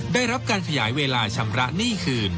ได้รับการขยายเวลาชำระหนี้คืน